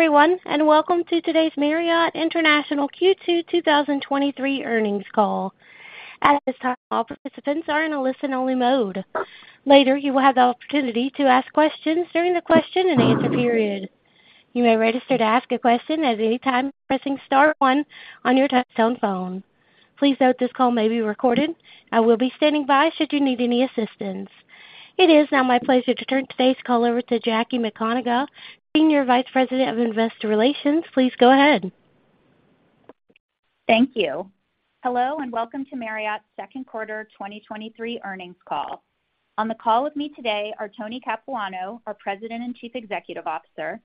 Everyone, welcome to today's Marriott International Q2 2023 earnings call. At this time, all participants are in a listen-only mode. Later, you will have the opportunity to ask questions during the question and answer period. You may register to ask a question at any time by pressing star one on your touch-tone phone. Please note, this call may be recorded. I will be standing by should you need any assistance. It is now my pleasure to turn today's call over to Jackie McConagha, Senior Vice President of Investor Relations. Please go ahead. Thank you. Hello, welcome to Marriott's second quarter 2023 earnings call. On the call with me today are Tony Capuano, our President and Chief Executive Officer,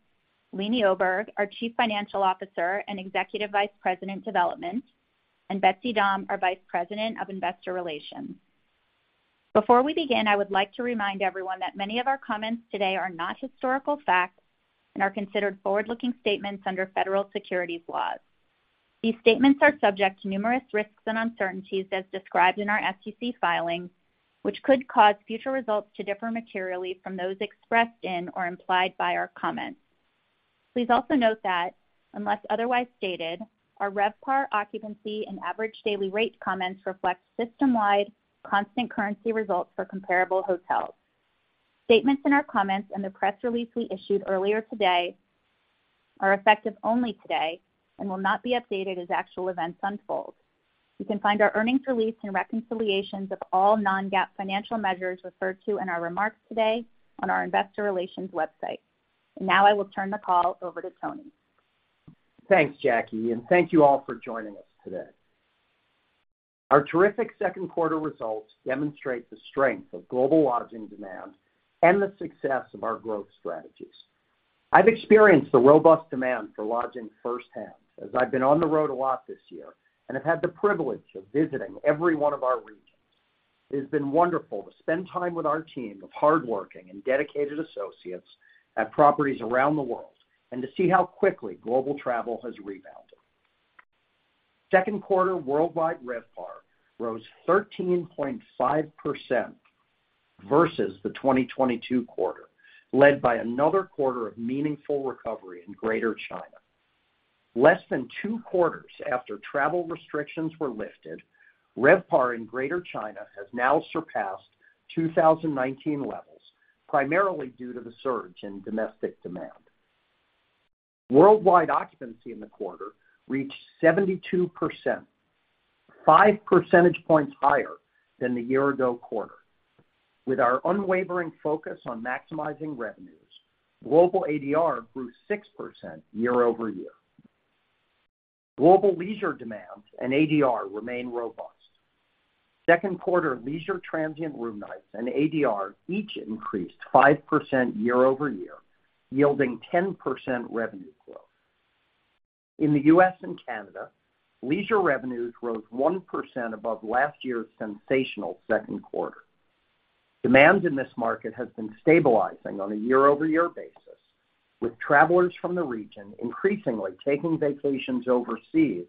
Leeny Oberg, our Chief Financial Officer and Executive Vice President, Development, and Betsy Dahm, our Vice President of Investor Relations. Before we begin, I would like to remind everyone that many of our comments today are not historical facts and are considered forward-looking statements under federal securities laws. These statements are subject to numerous risks and uncertainties, as described in our SEC filings, which could cause future results to differ materially from those expressed in or implied by our comments. Please also note that, unless otherwise stated, our RevPAR occupancy and average daily rate comments reflect system-wide constant currency results for comparable hotels. Statements in our comments and the press release we issued earlier today are effective only today and will not be updated as actual events unfold. You can find our earnings release and reconciliations of all non-GAAP financial measures referred to in our remarks today on our investor relations website. Now I will turn the call over to Tony. Thanks, Jackie, and thank you all for joining us today. Our terrific second quarter results demonstrate the strength of global lodging demand and the success of our growth strategies. I've experienced the robust demand for lodging firsthand, as I've been on the road a lot this year and have had the privilege of visiting every one of our regions. It has been wonderful to spend time with our team of hardworking and dedicated associates at properties around the world, and to see how quickly global travel has rebounded. Second quarter worldwide RevPAR rose 13.5% versus the 2022 quarter, led by another quarter of meaningful recovery in Greater China. Less than two quarters after travel restrictions were lifted, RevPAR in Greater China has now surpassed 2019 levels, primarily due to the surge in domestic demand. Worldwide occupancy in the quarter reached 72%, 5 percentage points higher than the year-ago quarter. With our unwavering focus on maximizing revenues, global ADR grew 6% year-over-year. Global leisure demand and ADR remain robust. Second quarter leisure transient room nights and ADR each increased 5% year-over-year, yielding 10% revenue growth. In the U.S. and Canada, leisure revenues rose 1% above last year's sensational second quarter. Demand in this market has been stabilizing on a year-over-year basis, with travelers from the region increasingly taking vacations overseas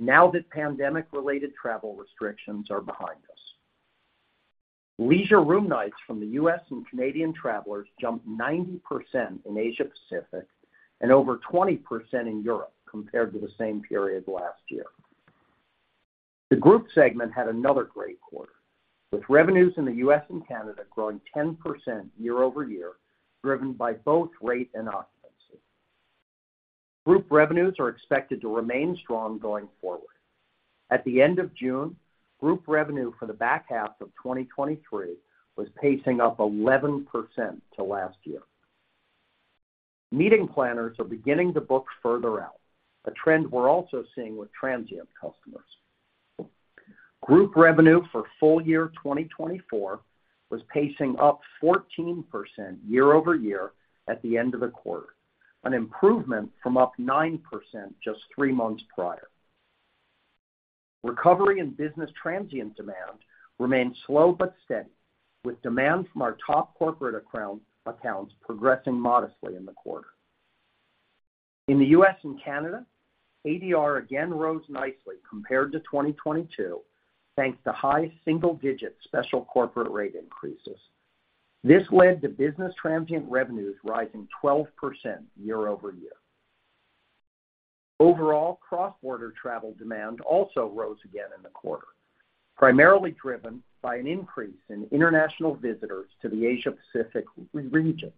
now that pandemic-related travel restrictions are behind us. Leisure room nights from the U.S. and Canadian travelers jumped 90% in Asia Pacific and over 20% in Europe compared to the same period last year. The group segment had another great quarter, with revenues in the U.S. and Canada growing 10% year-over-year, driven by both rate and occupancy. Group revenues are expected to remain strong going forward. At the end of June, group revenue for the back half of 2023 was pacing up 11% to last year. Meeting planners are beginning to book further out, a trend we're also seeing with transient customers. Group revenue for full year 2024 was pacing up 14% year-over-year at the end of the quarter, an improvement from up 9% just three months prior. Recovery in business transient demand remains slow but steady, with demand from our top corporate accounts progressing modestly in the quarter. In the U.S. and Canada, ADR again rose nicely compared to 2022, thanks to high single-digit special corporate rate increases. This led to business transient revenues rising 12% year-over-year. Overall, cross-border travel demand also rose again in the quarter, primarily driven by an increase in international visitors to the Asia Pacific region.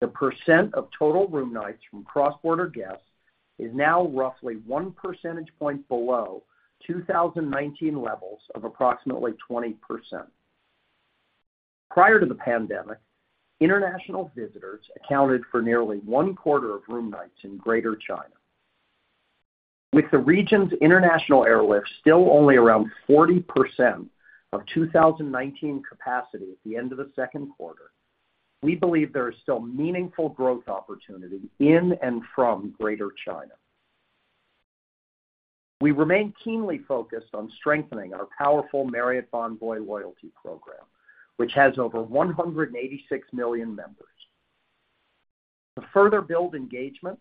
The percent of total room nights from cross-border guests is now roughly one percentage point below 2019 levels of approximately 20%. Prior to the pandemic, international visitors accounted for nearly one quarter of room nights in Greater China. With the region's international airlifts still only around 40% of 2019 capacity at the end of the second quarter, we believe there is still meaningful growth opportunity in and from Greater China. We remain keenly focused on strengthening our powerful Marriott Bonvoy loyalty program, which has over 186 million members. To further build engagement,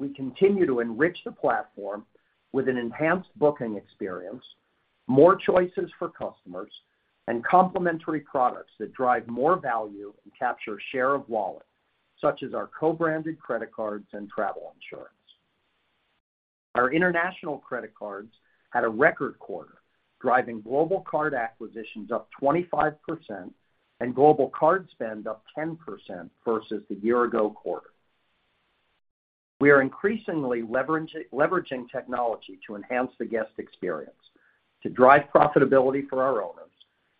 we continue to enrich the platform with an enhanced booking experience. more choices for customers, and complementary products that drive more value and capture share of wallet, such as our co-branded credit cards and travel insurance. Our international credit cards had a record quarter, driving global card acquisitions up 25% and global card spend up 10% versus the year ago quarter. We are increasingly leveraging technology to enhance the guest experience, to drive profitability for our owners,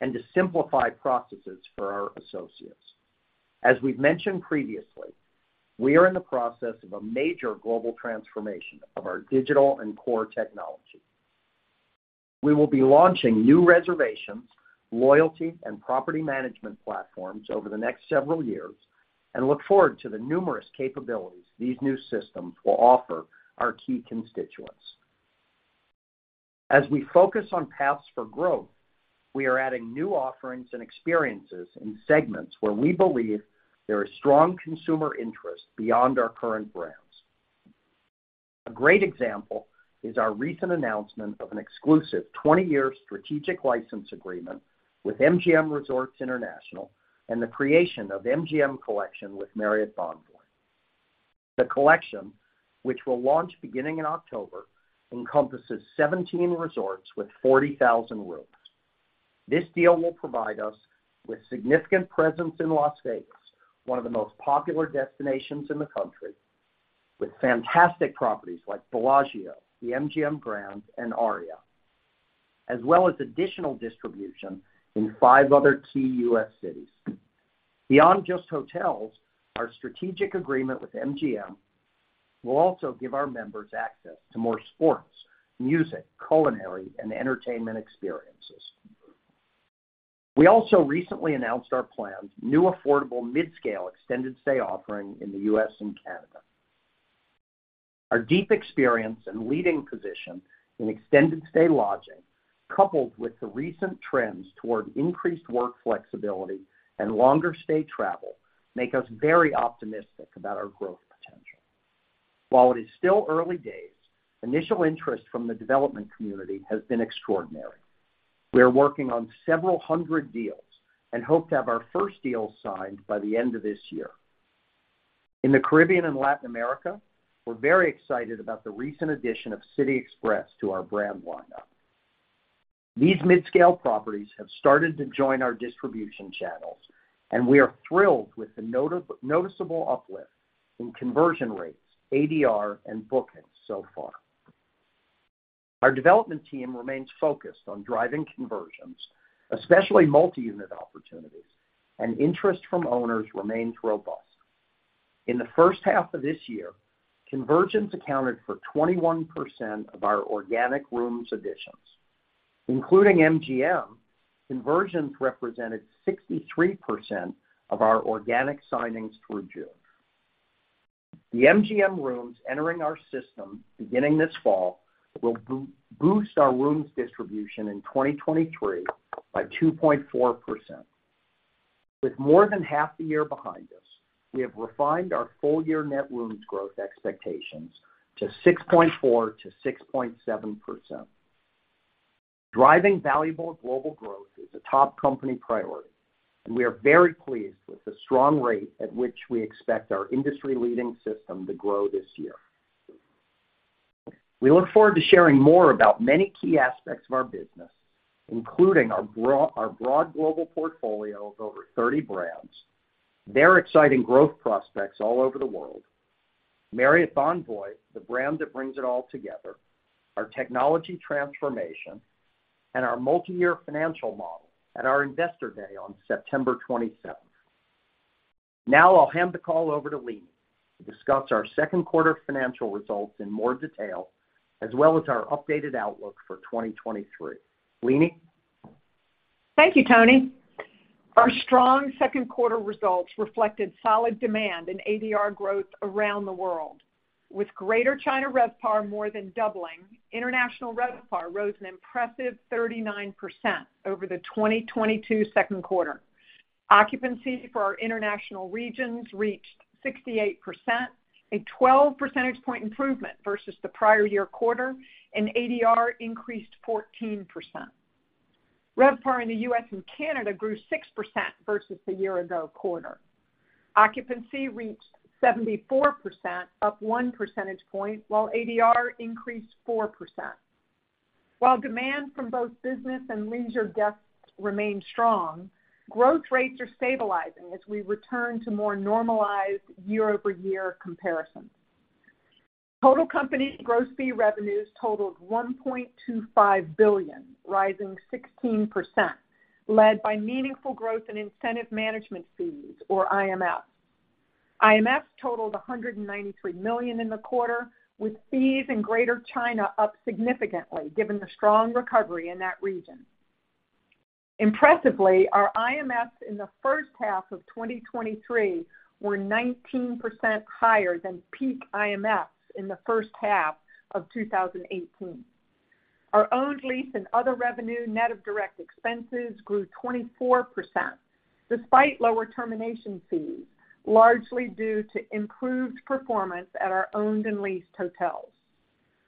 and to simplify processes for our associates. As we've mentioned previously, we are in the process of a major global transformation of our digital and core technology. We will be launching new reservations, loyalty, and property management platforms over the next several years, and look forward to the numerous capabilities these new systems will offer our key constituents. As we focus on paths for growth, we are adding new offerings and experiences in segments where we believe there is strong consumer interest beyond our current brands. A great example is our recent announcement of an exclusive 20-year strategic license agreement with MGM Resorts International, and the creation of MGM Collection with Marriott Bonvoy. The collection, which will launch beginning in October, encompasses 17 resorts with 40,000 rooms. This deal will provide us with significant presence in Las Vegas, one of the most popular destinations in the country, with fantastic properties like Bellagio, the MGM Grand, and Aria, as well as additional distribution in five other key U.S. cities. Beyond just hotels, our strategic agreement with MGM will also give our members access to more sports, music, culinary, and entertainment experiences. We also recently announced our planned new affordable mid-scale extended stay offering in the U.S. and Canada. Our deep experience and leading position in extended stay lodging, coupled with the recent trends toward increased work flexibility and longer stay travel, make us very optimistic about our growth potential. While it is still early days, initial interest from the development community has been extraordinary. We are working on several hundred deals and hope to have our first deal signed by the end of this year. In the Caribbean and Latin America, we're very excited about the recent addition of City Express to our brand lineup. These mid-scale properties have started to join our distribution channels, and we are thrilled with the noticeable uplift in conversion rates, ADR, and bookings so far. Our development team remains focused on driving conversions, especially multi-unit opportunities, and interest from owners remains robust. In the first half of this year, conversions accounted for 21% of our organic rooms additions. Including MGM, conversions represented 63% of our organic signings through June. The MGM rooms entering our system beginning this fall, will boost our rooms distribution in 2023 by 2.4%. With more than half the year behind us, we have refined our full year net rooms growth expectations to 6.4%-6.7%. Driving valuable global growth is a top company priority, we are very pleased with the strong rate at which we expect our industry-leading system to grow this year. We look forward to sharing more about many key aspects of our business, including our broad global portfolio of over 30 brands, their exciting growth prospects all over the world, Marriott Bonvoy, the brand that brings it all together, our technology transformation, and our multiyear financial model at our Investor Day on September 27th. Now, I'll hand the call over to Leeny, to discuss our second quarter financial results in more detail, as well as our updated outlook for 2023. Leeny? Thank you, Tony. Our strong second quarter results reflected solid demand and ADR growth around the world. With Greater China RevPAR more than doubling, international RevPAR rose an impressive 39% over the 2022 second quarter. Occupancy for our international regions reached 68%, a 12 percentage point improvement versus the prior year quarter, and ADR increased 14%. RevPAR in the U.S. and Canada grew 6% versus the year-ago quarter. Occupancy reached 74%, up 1 percentage point, while ADR increased 4%. While demand from both business and leisure desks remains strong, growth rates are stabilizing as we return to more normalized year-over-year comparisons. Total company gross fee revenues totaled $1.25 billion, rising 16%, led by meaningful growth in incentive management fees, or IMFs. IMFs totaled $193 million in the quarter, with fees in Greater China up significantly, given the strong recovery in that region. Impressively, our IMFs in the first half of 2023 were 19% higher than peak IMFs in the first half of 2018. Our owned lease and other revenue, net of direct expenses, grew 24%. despite lower termination fees, largely due to improved performance at our owned and leased hotels.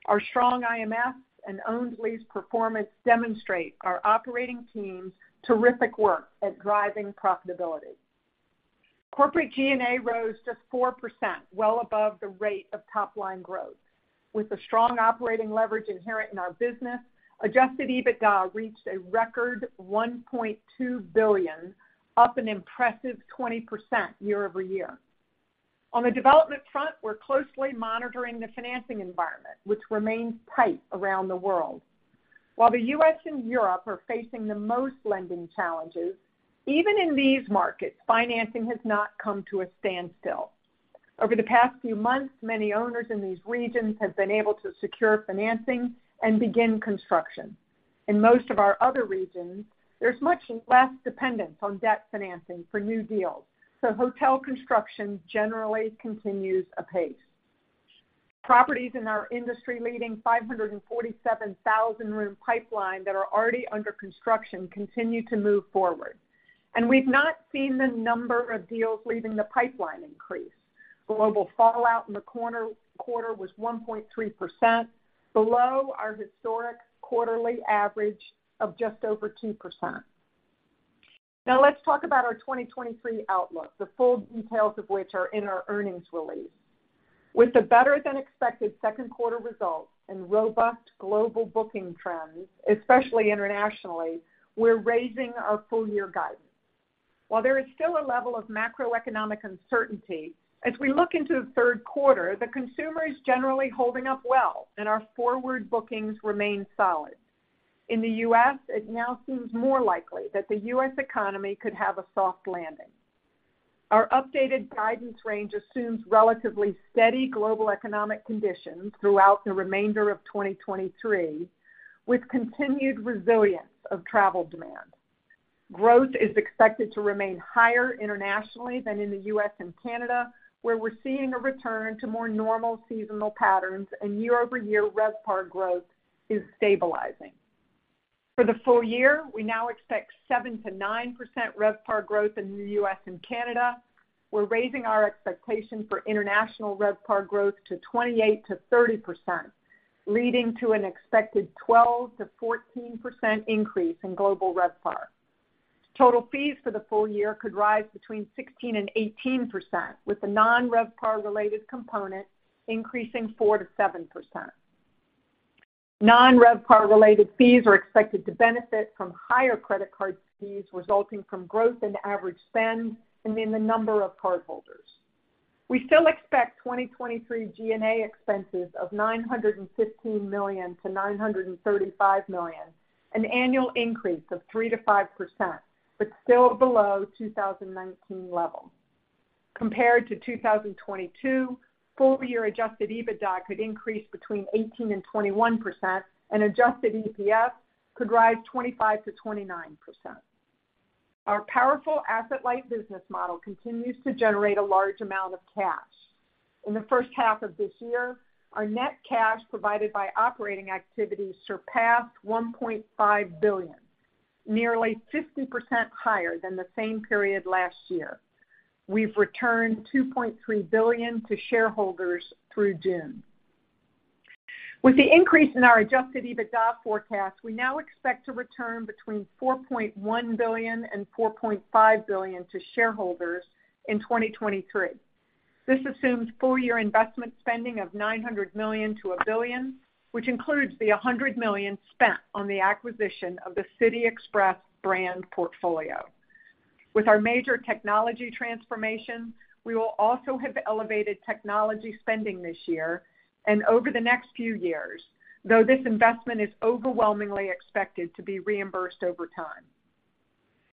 Our strong IMFs and owned lease performance demonstrate our operating team's terrific work at driving profitability. Corporate G&A rose just 4%, well above the rate of top line growth. With the strong operating leverage inherent in our business, adjusted EBITDA reached a record $1.2 billion, up an impressive 20% year-over-year. On the development front, we're closely monitoring the financing environment, which remains tight around the world. While the U.S. and Europe are facing the most lending challenges, even in these markets, financing has not come to a standstill. Over the past few months, many owners in these regions have been able to secure financing and begin construction. In most of our other regions, there's much less dependence on debt financing for new deals. Hotel construction generally continues apace. Properties in our industry-leading 547,000 room pipeline that are already under construction continue to move forward. We've not seen the number of deals leaving the pipeline increase. Global fallout in the quarter was 1.3%, below our historic quarterly average of just over 2%. Let's talk about our 2023 outlook, the full details of which are in our earnings release. With the better-than-expected second quarter results and robust global booking trends, especially internationally, we're raising our full year guidance. While there is still a level of macroeconomic uncertainty, as we look into the third quarter, the consumer is generally holding up well, and our forward bookings remain solid. In the U.S., it now seems more likely that the U.S. economy could have a soft landing. Our updated guidance range assumes relatively steady global economic conditions throughout the remainder of 2023, with continued resilience of travel demand. Growth is expected to remain higher internationally than in the U.S. and Canada, where we're seeing a return to more normal seasonal patterns and year-over-year RevPAR growth is stabilizing. For the full year, we now expect 7%-9% RevPAR growth in the U.S. and Canada. We're raising our expectation for international RevPAR growth to 28%-30%, leading to an expected 12%-14% increase in global RevPAR. Total fees for the full year could rise between 16% and 18%, with the non-RevPAR-related component increasing 4%-7%. Non-RevPAR-related fees are expected to benefit from higher credit card fees, resulting from growth in average spend and in the number of cardholders. We still expect 2023 G&A expenses of $915 million-$935 million, an annual increase of 3%-5%, but still below 2019 levels. Compared to 2022, full year adjusted EBITDA could increase between 18% and 21%, and adjusted EPS could rise 25%-29%. Our powerful asset-light business model continues to generate a large amount of cash. In the first half of this year, our net cash provided by operating activities surpassed $1.5 billion, nearly 50% higher than the same period last year. We've returned $2.3 billion to shareholders through June. With the increase in our adjusted EBITDA forecast, we now expect to return between $4.1 billion and $4.5 billion to shareholders in 2023. This assumes full-year investment spending of $900 million-$1 billion, which includes the $100 million spent on the acquisition of the City Express brand portfolio. With our major technology transformation, we will also have elevated technology spending this year and over the next few years, though this investment is overwhelmingly expected to be reimbursed over time.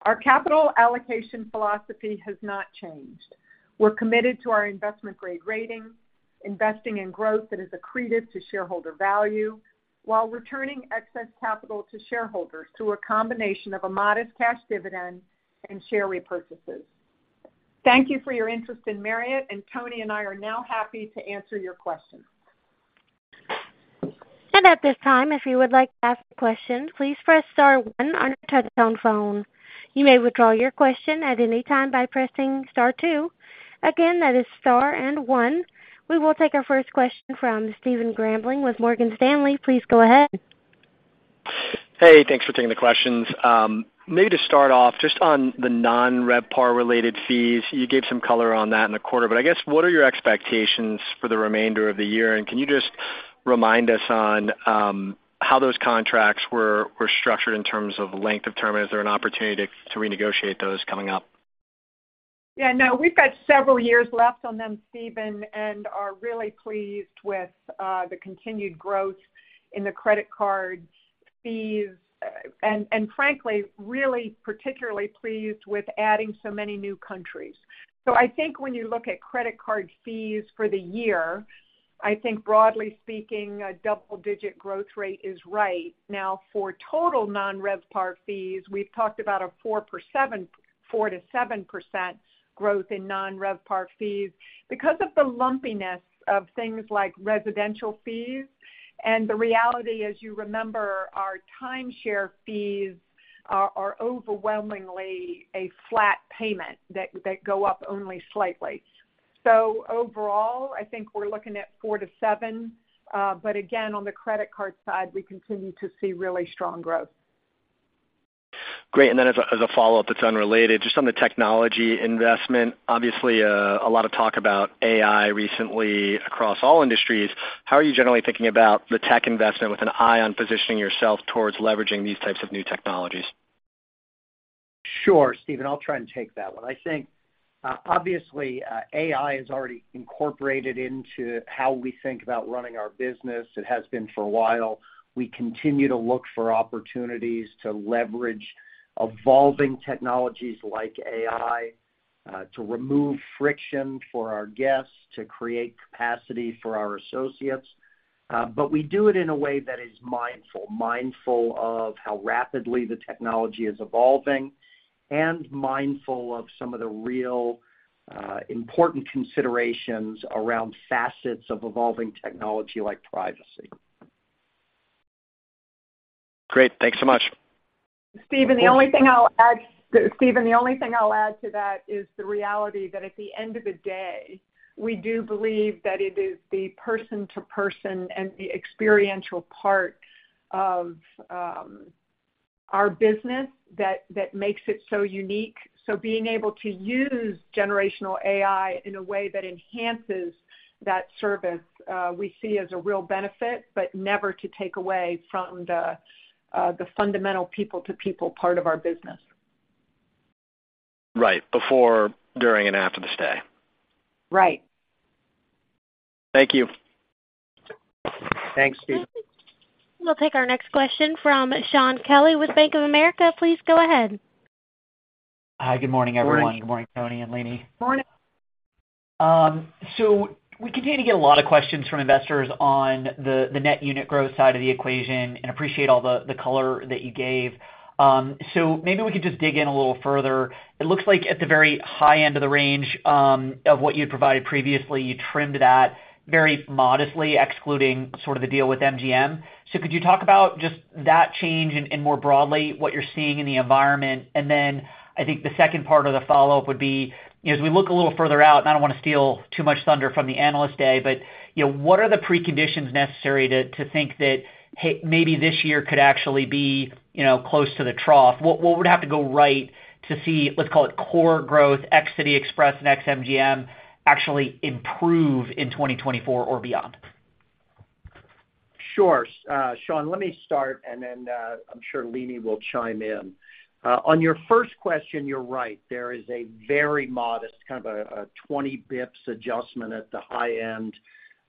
Our capital allocation philosophy has not changed. We're committed to our investment-grade rating, investing in growth that is accretive to shareholder value, while returning excess capital to shareholders through a combination of a modest cash dividend and share repurchases. Thank you for your interest in Marriott. Tony and I are now happy to answer your questions. At this time, if you would like to ask a question, please press star one on your touchtone phone. You may withdraw your question at any time by pressing star two. Again, that is star and one. We will take our first question from Stephen Grambling with Morgan Stanley. Please go ahead. Hey, thanks for taking the questions. Maybe to start off, just on the non-RevPAR-related fees, you gave some color on that in the quarter, but I guess, what are your expectations for the remainder of the year? Can you just remind us on how those contracts were, were structured in terms of length of term? Is there an opportunity to, to renegotiate those coming up? Yeah, no, we've got several years left on them, Stephen, and are really pleased with the continued growth in the credit card fees, and frankly, really particularly pleased with adding so many new countries. I think when you look at credit card fees for the year, I think broadly speaking, a double-digit growth rate is right. Now, for total non-RevPAR fees, we've talked about a 4%-7% growth in non-RevPAR fees. Because of the lumpiness of things like residential fees and the reality, as you remember, our timeshare fees are overwhelmingly a flat payment that go up only slightly. Overall, I think we're looking at 4%-7%. Again, on the credit card side, we continue to see really strong growth. Great. Then as a, as a follow-up that's unrelated, just on the technology investment, obviously, a lot of talk about AI recently across all industries. How are you generally thinking about the tech investment with an eye on positioning yourself towards leveraging these types of new technologies? Sure, Stephen, I'll try and take that one. I think, obviously, AI is already incorporated into how we think about running our business. It has been for a while. We continue to look for opportunities to leverage evolving technologies like AI to remove friction for our guests, to create capacity for our associates. We do it in a way that is mindful, mindful of how rapidly the technology is evolving, and mindful of some of the real, important considerations around facets of evolving technology, like privacy. Great. Thanks so much. Steven, the only thing I'll add to that is the reality that at the end of the day, we do believe that it is the person-to-person and the experiential part of our business that, that makes it so unique. Being able to use generational AI in a way that enhances that service, we see as a real benefit, but never to take away from the fundamental people-to-people part of our business. Right. Before, during, and after the stay. Right. Thank you. Thanks, Steve. We'll take our next question from Shaun Kelley with Bank of America. Please go ahead. Hi, good morning, everyone. Good morning, Tony and Leeny. Morning. We continue to get a lot of questions from investors on the, the net unit growth side of the equation and appreciate all the, the color that you gave. Maybe we could just dig in a little further. It looks like at the very high end of the range of what you had provided previously, you trimmed that very modestly, excluding sort of the deal with MGM. Could you talk about just that change and, and more broadly, what you're seeing in the environment? I think the second part of the follow-up would be, you know, as we look a little further out, and I don't want to steal too much thunder from the Analyst Day, but, you know, what are the preconditions necessary to, to think that, hey, maybe this year could actually be, you know, close to the trough? What, what would have to go right to see, let's call it core growth, ex City Express and ex MGM, actually improve in 2024 or beyond? Sure. Shaun, let me start, and then, I'm sure Leeny will chime in. On your first question, you're right. There is a very modest, kind of a 20 bps adjustment at the high end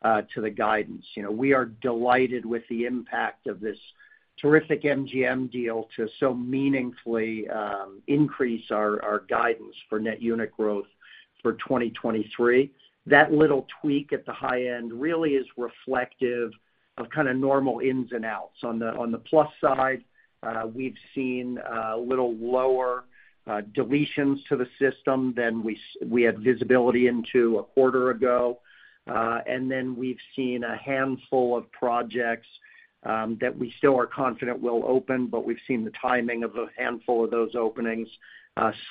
to the guidance. You know, we are delighted with the impact of this terrific MGM deal to so meaningfully increase our, our guidance for net unit growth for 2023. That little tweak at the high end really is reflective of kind of normal ins and outs. On the, on the plus side, we've seen little lower deletions to the system than we had visibility into a quarter ago. Then we've seen a handful of projects that we still are confident will open, but we've seen the timing of a handful of those openings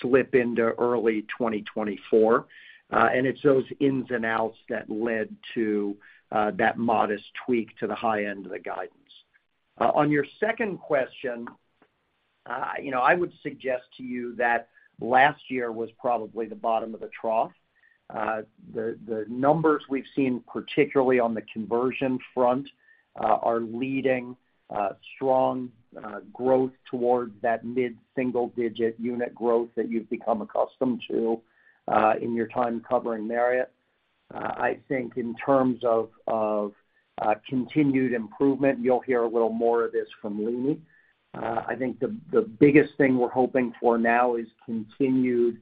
slip into early 2024. It's those ins and outs that led to that modest tweak to the high end of the guidance. On your second question, you know, I would suggest to you that last year was probably the bottom of the trough. The numbers we've seen, particularly on the conversion front, are leading strong growth towards that mid-single digit unit growth that you've become accustomed to in your time covering Marriott. I think in terms of, of continued improvement, you'll hear a little more of this from Leeny. I think the biggest thing we're hoping for now is continued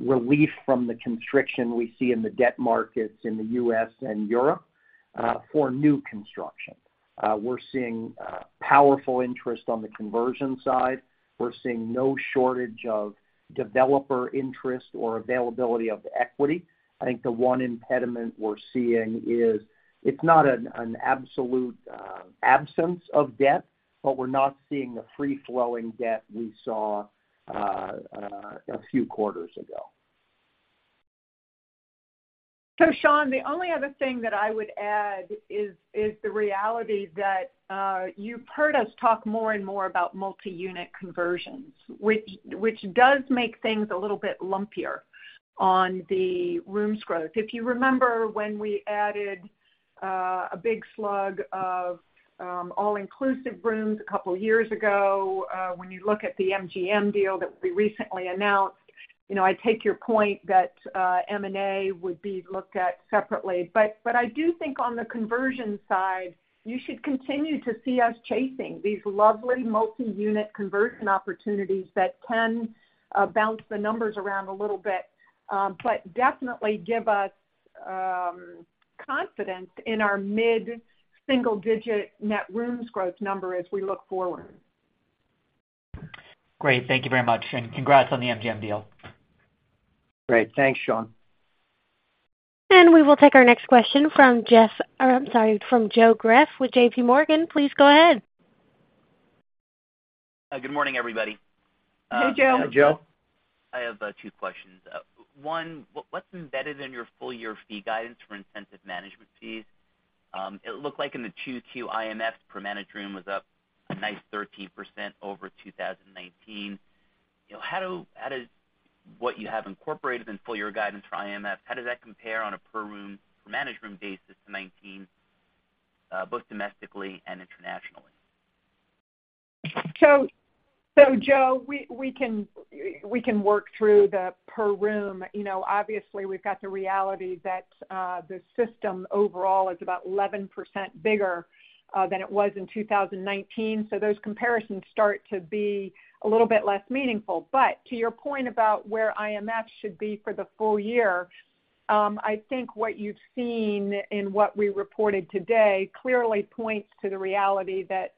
relief from the constriction we see in the debt markets in the U.S. and Europe for new construction. We're seeing powerful interest on the conversion side. We're seeing no shortage of developer interest or availability of equity. I think the one impediment we're seeing is, it's not an absolute, absence of debt, but we're not seeing the free-flowing debt we saw, a few quarters ago. Shaun, the only other thing that I would add is the reality that you've heard us talk more and more about multi-unit conversions, which does make things a little bit lumpier on the rooms growth. If you remember when we added a big slug of all-inclusive rooms a couple years ago, when you look at the MGM deal that we recently announced, you know, I take your point that M&A would be looked at separately. I do think on the conversion side, you should continue to see us chasing these lovely multi-unit conversion opportunities that can bounce the numbers around a little bit, but definitely give us confidence in our mid-single digit net rooms growth number as we look forward. Great. Thank you very much, and congrats on the MGM deal. Great. Thanks, Shaun. We will take our next question from Jeff, or I'm sorry, from Joe Greff with JP Morgan. Please go ahead. Good morning, everybody. Hey, Joe. Hey, Joe. I have two questions. One, what's embedded in your full year fee guidance for Incentive Management Fees? It looked like in the 2Q IMF, per managed room was up a nice 13% over 2019. You know, how does what you have incorporated in full year guidance for IMF, how does that compare on a per room, managed room basis to 2019, both domestically and internationally? Joe, we can, we can work through the per room. You know, obviously, we've got the reality that the system overall is about 11% bigger than it was in 2019. Those comparisons start to be a little bit less meaningful. To your point about where IMFs should be for the full year, I think what you've seen in what we reported today clearly points to the reality that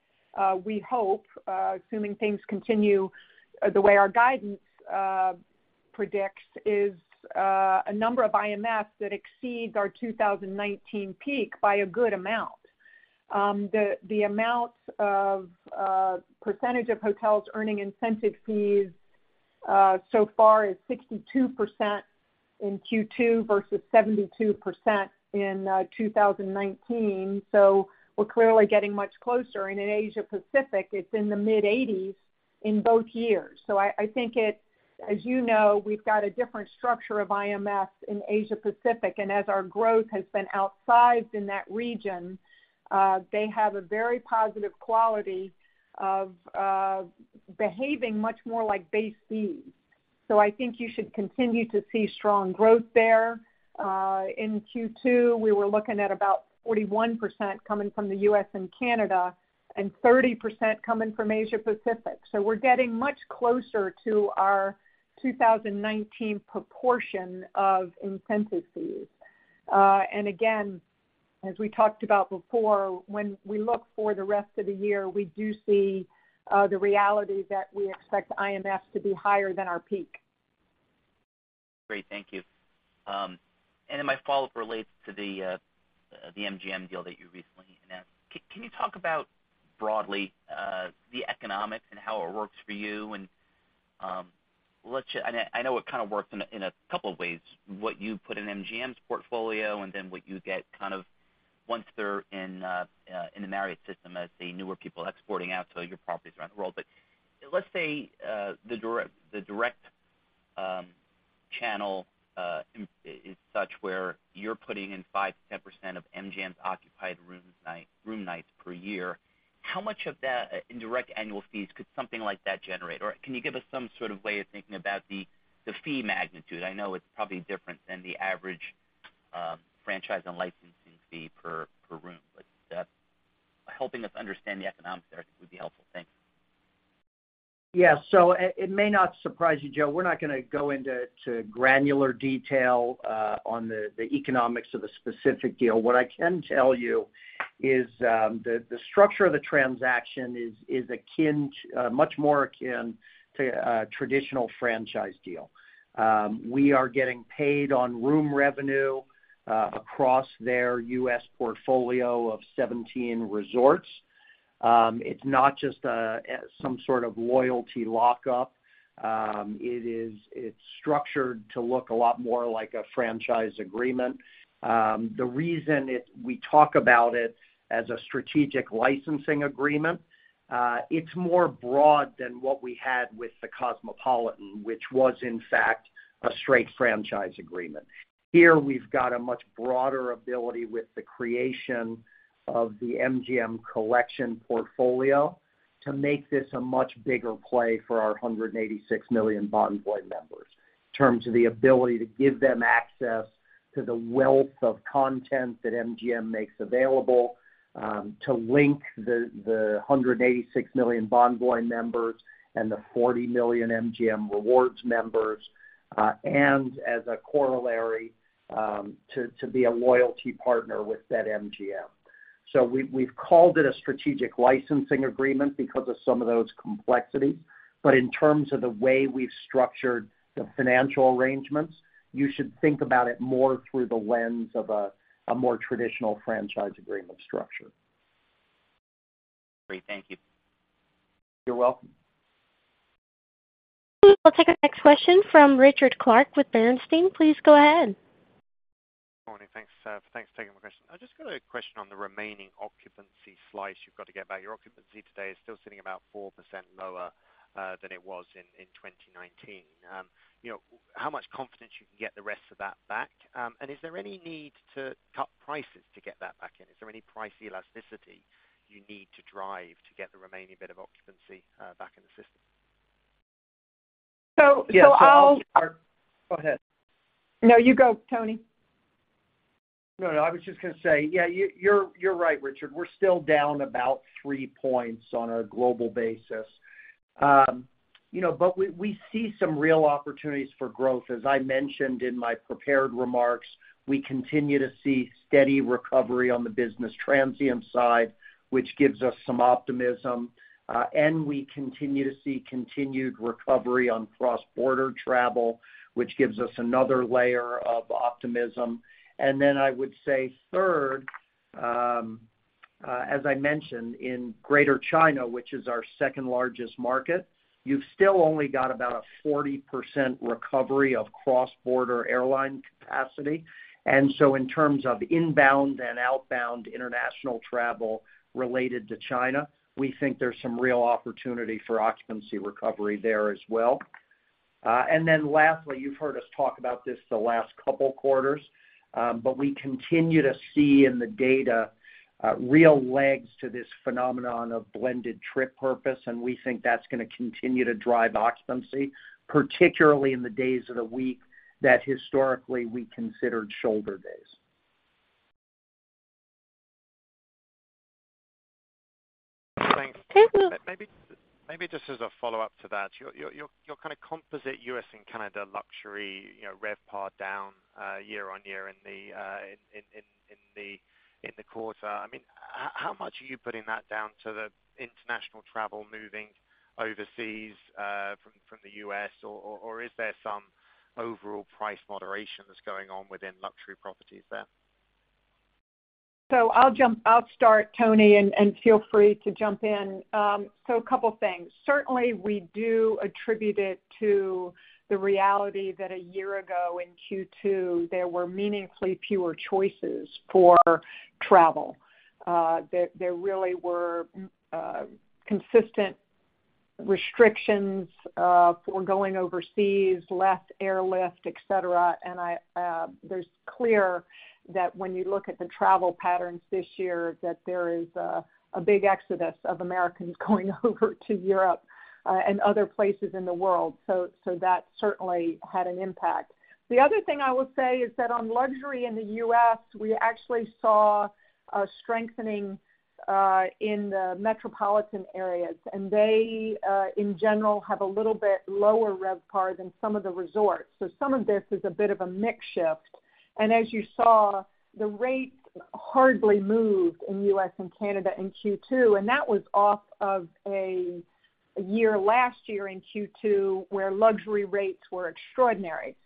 we hope, assuming things continue the way our guidance predicts, is a number of IMFs that exceeds our 2019 peak by a good amount. The, the amount of percentage of hotels earning incentive fees so far is 62% in Q2 versus 72% in 2019. We are clearly getting much closer, and in Asia Pacific, it's in the mid-80s in both years. As you know, we have got a different structure of IMF in Asia Pacific, and as our growth has been outsized in that region, they have a very positive quality of behaving much more like base fees. I think you should continue to see strong growth there. In Q2, we were looking at about 41% coming from the U.S. and Canada, and 30% coming from Asia Pacific. We are getting much closer to our 2019 proportion of incentive fees. And again, as we talked about before, when we look for the rest of the year, we do see the reality that we expect IMFs to be higher than our peak. Great, thank you. My follow-up relates to the MGM deal that you recently announced. Can you talk about broadly the economics and how it works for you? I know it kind of works in a couple of ways, what you put in MGM's portfolio and then what you get kind of once they're in the Marriott system as the newer people exporting out to your properties around the world. Let's say the direct channel is such where you're putting in 5%-10% of MGM's occupied rooms night, room nights per year. How much of that in direct annual fees could something like that generate? Can you give us some sort of way of thinking about the fee magnitude? I know it's probably different than the average, franchise and licensing fee per, per room. Helping us understand the economics there, I think, would be helpful. Thanks. Yeah. It, it may not surprise you, Joe. We're not going to go into granular detail, on the, the economics of a specific deal. What I can tell you is, the, the structure of the transaction is, is akin to, much more akin to a traditional franchise deal. We are getting paid on room revenue, across their U.S. portfolio of 17 resorts. It's not just a, some sort of loyalty lockup. It is, it's structured to look a lot more like a franchise agreement. The reason it- we talk about it as a strategic licensing agreement, it's more broad than what we had with The Cosmopolitan, which was in fact, a straight franchise agreement. Here, we've got a much broader ability with the creation of the MGM Collection portfolio to make this a much bigger play for our 186 million Bonvoy members, in terms of the ability to give them access to the wealth of content that MGM makes available, to link the 186 million Bonvoy members and the 40 million MGM Rewards members, and as a corollary, to be a loyalty partner with that MGM. We've, we've called it a strategic licensing agreement because of some of those complexities. In terms of the way we've structured the financial arrangements, you should think about it more through the lens of a, a more traditional franchise agreement structure. Great. Thank you. You're welcome. We'll take our next question from Richard Clarke with Bernstein. Please go ahead. Good morning, thanks. Thanks for taking my question. I just got a question on the remaining occupancy slice you've got to get back. Your occupancy today is still sitting about 4% lower, than it was in 2019. You know, how much confidence you can get the rest of that back? And is there any need to cut prices to get that back in? Is there any price elasticity you need to drive to get the remaining bit of occupancy back in the system? I'll. Yeah, so. Go ahead. No, you go, Tony. No, no, I was just going to say, yeah, you're, you're right, Richard. We're still down about 3 points on our global basis. You know, but we, we see some real opportunities for growth. As I mentioned in my prepared remarks, we continue to see steady recovery on the business transient side, which gives us some optimism, and we continue to see continued recovery on cross-border travel, which gives us another layer of optimism. Then I would say third- as I mentioned, in Greater China, which is our second-largest market, you've still only got about a 40% recovery of cross-border airline capacity. So in terms of inbound and outbound international travel related to China, we think there's some real opportunity for occupancy recovery there as well. Lastly, you've heard us talk about this the last couple quarters, but we continue to see in the data, real legs to this phenomenon of blended trip purpose, and we think that's going to continue to drive occupancy, particularly in the days of the week that historically we considered shoulder days. Thanks. Maybe, maybe just as a follow-up to that, your, your, your, your kind of composite U.S. and Canada luxury, you know, RevPAR down year-on-year in the quarter. I mean, how much are you putting that down to the international travel moving overseas from the U.S., or is there some overall price moderation that's going on within luxury properties there? I'll start, Tony, and feel free to jump in. A couple things. Certainly, we do attribute it to the reality that a year ago in Q2, there were meaningfully fewer choices for travel. There, there really were consistent restrictions for going overseas, less airlift, et cetera. And I, there's clear that when you look at the travel patterns this year, that there is a big exodus of Americans going over to Europe and other places in the world. That certainly had an impact. The other thing I will say is that on luxury in the U.S., we actually saw a strengthening in the metropolitan areas, and they, in general, have a little bit lower RevPAR than some of the resorts. Some of this is a bit of a mix shift. As you saw, the rates hardly moved in U.S. and Canada in Q2, and that was off of a year last year in Q2, where luxury rates were extraordinary.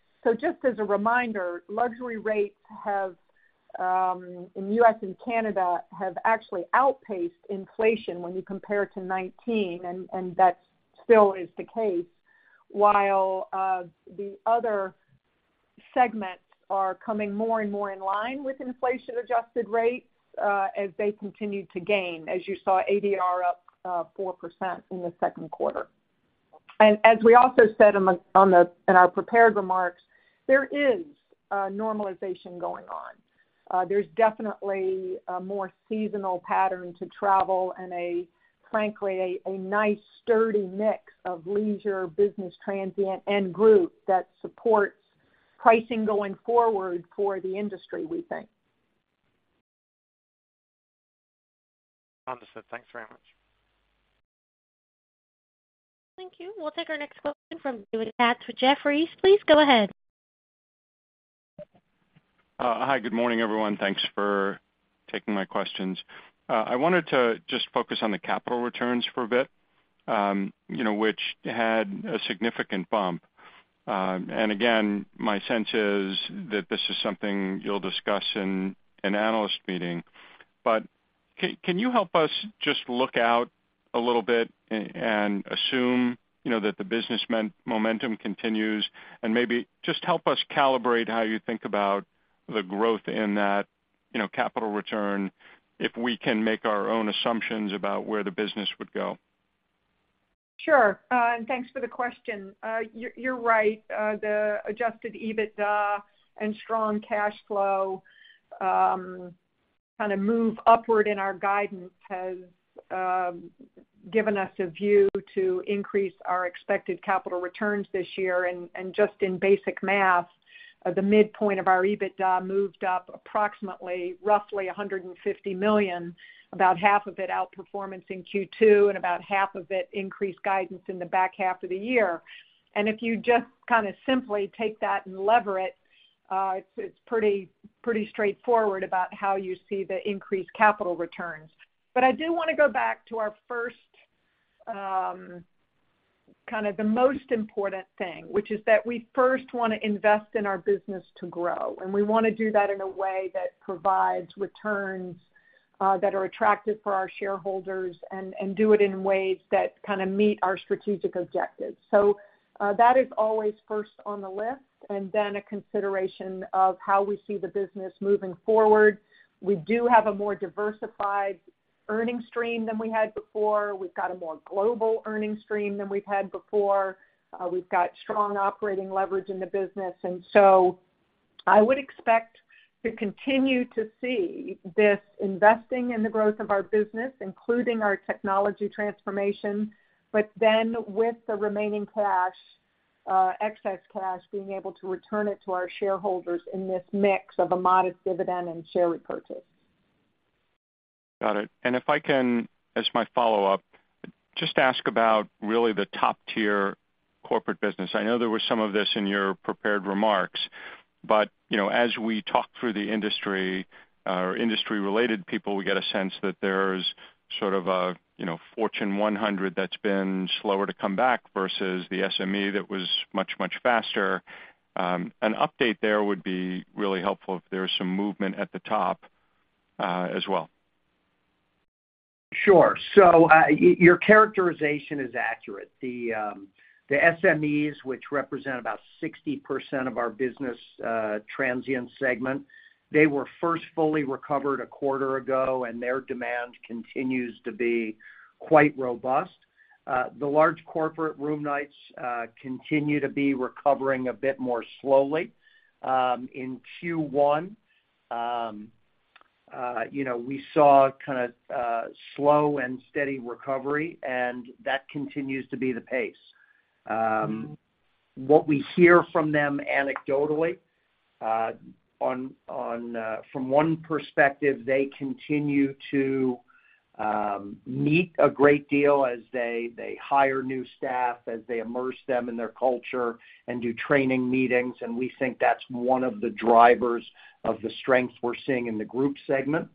Just as a reminder, luxury rates have in U.S. and Canada, have actually outpaced inflation when you compare to 2019, and that still is the case, while the other segments are coming more and more in line with inflation-adjusted rates, as they continued to gain. As you saw, ADR up 4% in the second quarter. As we also said in our prepared remarks, there is a normalization going on. There's definitely a more seasonal pattern to travel and a, frankly, a nice sturdy mix of leisure, business, transient, and group that supports pricing going forward for the industry, we think. Understood. Thanks very much. Thank you. We'll take our next question from Jefferies. Please go ahead. Hi, good morning, everyone. Thanks for taking my questions. I wanted to just focus on the capital returns for a bit, you know, which had a significant bump. Again, my sense is that this is something you'll discuss in an analyst meeting. Can you help us just look out a little bit and assume, you know, that the business momentum continues, and maybe just help us calibrate how you think about the growth in that, you know, capital return, if we can make our own assumptions about where the business would go? Sure. Thanks for the question. You're, you're right. The adjusted EBITDA and strong cash flow, kind of move upward in our guidance has given us a view to increase our expected capital returns this year. Just in basic math, the midpoint of our EBITDA moved up approximately, roughly $150 million, about half of it outperforming Q2, about half of it increased guidance in the back half of the year. If you just kind of simply take that and lever it, it's, it's pretty, pretty straightforward about how you see the increased capital returns. I do want to go back to our first, kind of the most important thing, which is that we first want to invest in our business to grow, and we want to do that in a way that provides returns, that are attractive for our shareholders and do it in ways that kind of meet our strategic objectives. That is always first on the list, and then a consideration of how we see the business moving forward. We do have a more diversified earning stream than we had before. We've got a more global earning stream than we've had before. We've got strong operating leverage in the business. I would expect to continue to see this investing in the growth of our business, including our technology transformation, but then with the remaining cash, excess cash, being able to return it to our shareholders in this mix of a modest dividend and share repurchase. Got it. If I can, as my follow-up, just ask about really the top-tier corporate business. I know there was some of this in your prepared remarks, you know, as we talk through the industry or industry-related people, we get a sense that there's sort of a, you know, Fortune 100 that's been slower to come back versus the SME that was much, much faster. An update there would be really helpful if there was some movement at the top, as well. Sure. Your characterization is accurate. The SMEs, which represent about 60% of our business, transient segment, they were first fully recovered a quarter ago. Their demand continues to be quite robust. The large corporate room nights continue to be recovering a bit more slowly. In Q1, you know, we saw kind of slow and steady recovery. That continues to be the pace. What we hear from them anecdotally, from one perspective, they continue to meet a great deal as they hire new staff, as they immerse them in their culture and do training meetings. We think that's one of the drivers of the strength we're seeing in the group segment.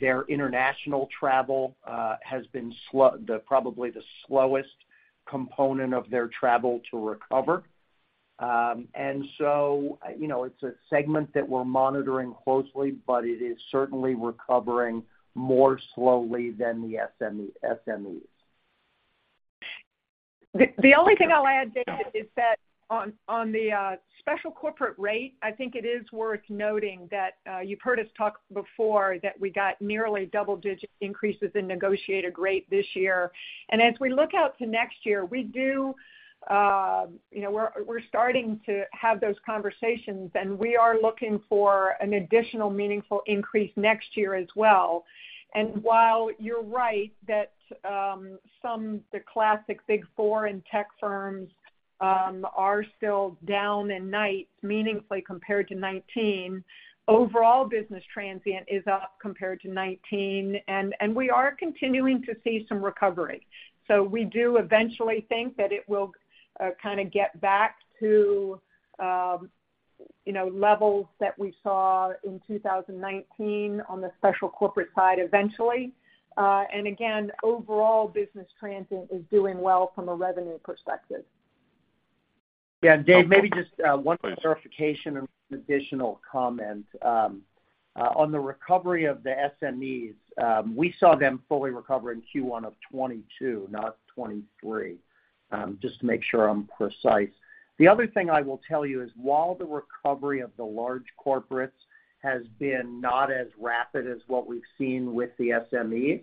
Their international travel has been the slowest component of their travel to recover. So, you know, it's a segment that we're monitoring closely, but it is certainly recovering more slowly than the SMEs. The only thing I'll add, Dave, is that on, on the special corporate rate, I think it is worth noting that you've heard us talk before, that we got nearly double-digit increases in negotiated rate this year. As we look out to next year, we do, you know, we're, we're starting to have those conversations, and we are looking for an additional meaningful increase next year as well. While you're right that some, the classic Big Four and tech firms, are still down in nights, meaningfully compared to 2019, overall business transient is up compared to 2019, and we are continuing to see some recovery. We do eventually think that it will, kind of get back to, you know, levels that we saw in 2019 on the special corporate side eventually. Again, overall business transient is doing well from a revenue perspective. Yeah, Dave, maybe just one clarification and additional comment. On the recovery of the SMEs, we saw them fully recover in Q1 of 2022, not 2023, just to make sure I'm precise. The other thing I will tell you is, while the recovery of the large corporates has been not as rapid as what we've seen with the SMEs,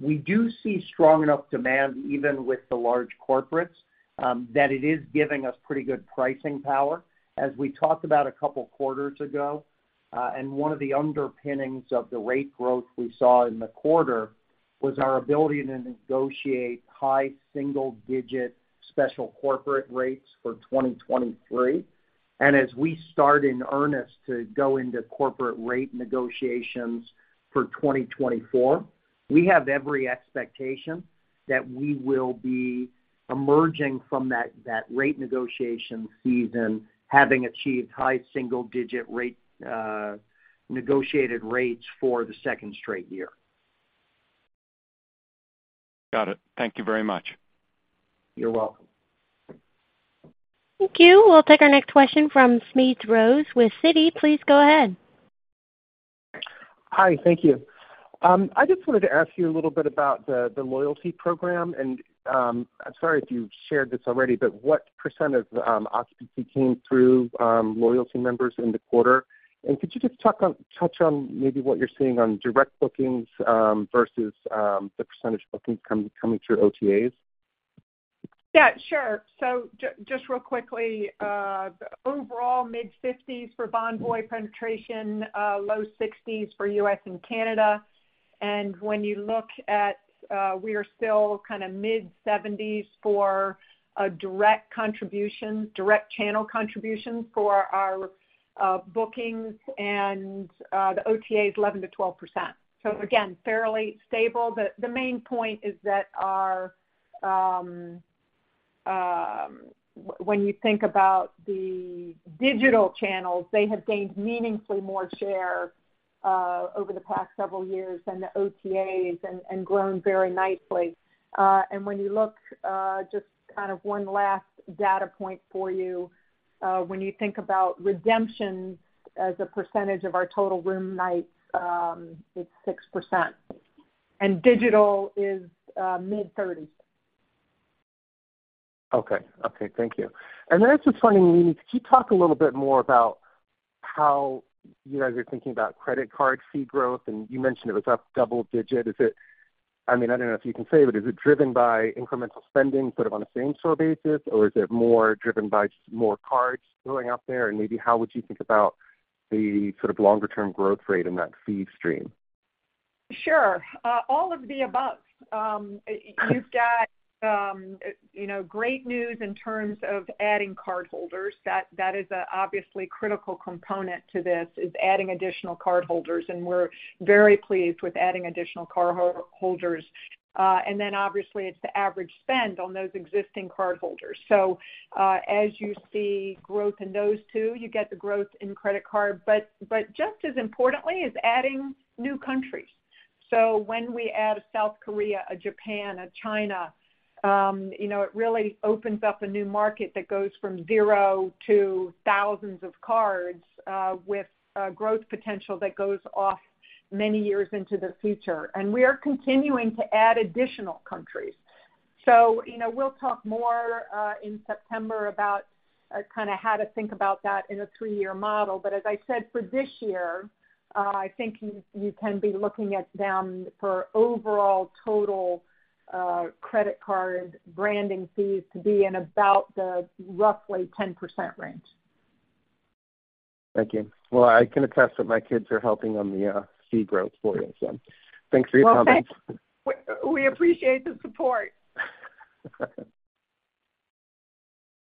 we do see strong enough demand, even with the large corporates, that it is giving us pretty good pricing power, as we talked about a couple quarters ago. One of the underpinnings of the rate growth we saw in the quarter was our ability to negotiate high single-digit special corporate rates for 2023. As we start in earnest to go into corporate rate negotiations for 2024, we have every expectation that we will be emerging from that, that rate negotiation season having achieved high single digit rate negotiated rates for the second straight year. Got it. Thank you very much. You're welcome. Thank you. We'll take our next question from Smedes Rose with Citi. Please go ahead. Hi, thank you. I just wanted to ask you a little bit about the, the loyalty program, and I'm sorry if you've shared this already, but what percentage of occupancy came through loyalty members in the quarter? Could you just touch on maybe what you're seeing on direct bookings versus the percentage of bookings coming, coming through OTAs? Yeah, sure. Just real quickly, overall, mid-50s for Bonvoy penetration, low 60s for U.S. and Canada. When you look at, we are still kind of mid-70s for a direct contribution, direct channel contribution for our bookings, and the OTA is 11%-12%. Again, fairly stable. The main point is that our when you think about the digital channels, they have gained meaningfully more share over the past several years than the OTAs and grown very nicely. When you look, just kind of one last data point for you, when you think about redemptions as a percentage of our total room nights, it's 6%, and digital is mid-30s. Okay. Okay, thank you. I was just wondering, can you talk a little bit more about how you guys are thinking about credit card fee growth? You mentioned it was up double-digit. I mean, I don't know if you can say, but is it driven by incremental spending, sort of on a same-store basis, or is it more driven by just more cards going out there? Maybe how would you think about the sort of longer-term growth rate in that fee stream? Sure. All of the above. You've got, you know, great news in terms of adding cardholders. That, that is a obviously critical component to this, is adding additional cardholders, and we're very pleased with adding additional cardholders. Obviously, it's the average spend on those existing cardholders. As you see growth in those two, you get the growth in credit card. But just as importantly, is adding new countries. When we add a South Korea, a Japan, a China, you know, it really opens up a new market that goes from zero to thousands of cards with growth potential that goes off many years into the future. We are continuing to add additional countries. You know, we'll talk more in September about kind of how to think about that in a three-year model. As I said, for this year, I think you, you can be looking at them for overall total, credit card branding fees to be in about the roughly 10% range. Thank you. Well, I can attest that my kids are helping on the fee growth for you. Thanks for your comments. Well, thanks. We, we appreciate the support.